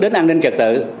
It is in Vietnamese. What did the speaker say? đến an ninh trật tự